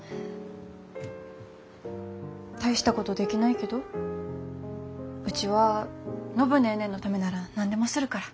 大したことできないけどうちは暢ネーネーのためなら何でもするから。